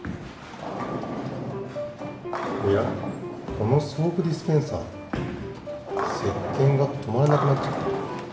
このソープディスペンサーせっけんがとまらなくなっちゃった。